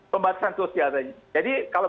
pembatasan sosial jadi kalau